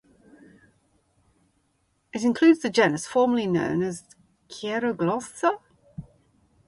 It includes the genus formerly known as "Cheiroglossa".